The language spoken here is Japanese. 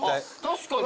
確かに。